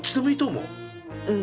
うん。